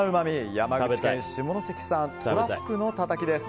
山口県下関産とらふくのたたきです。